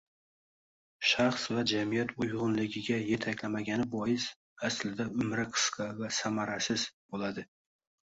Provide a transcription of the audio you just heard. shaxs va jamiyat uyg‘unligiga yetaklamagani bois, aslida, umri qisqa va samarasiz bo‘ladi.